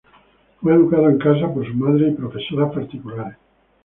Fue educado en casa por su madre y profesoras particulares.